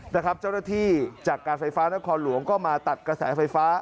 เจ้าหน้าที่จากการไฟฟ้านครหลวงก็มาตัดกระแสไฟฟ้า